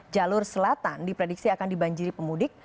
jalur selatan diprediksi akan dibanjiri pemudik